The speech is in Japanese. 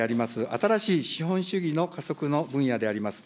新しい資本主義の加速の分野であります。